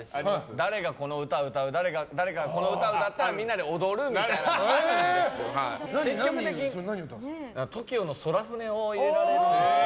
誰が、この歌を歌う誰かがこの歌を歌ったらみんなで踊るみたいなのあるんですよ。